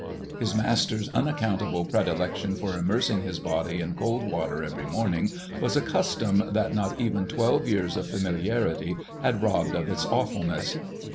His master's unaccountable predilection for immersing his body in cold water every morning was a custom that not even twelve years of familiarity had robbed of its awfulness.